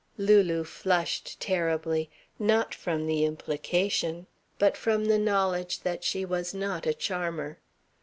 Lulu flushed terribly. Not from the implication. But from the knowledge that she was not a charmer.